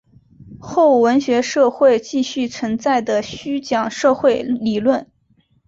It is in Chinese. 后文字社会继续存在的虚讲社会理论。